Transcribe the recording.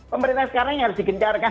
pemerintah sekarang ini harus digencarkan